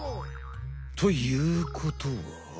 ということは？